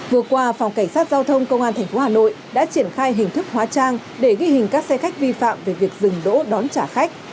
vừa qua phòng cảnh sát giao thông công an tp hà nội đã triển khai hình thức hóa trang để ghi hình các xe khách vi phạm về việc dừng đỗ đón trả khách